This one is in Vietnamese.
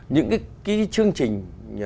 những cái chương trình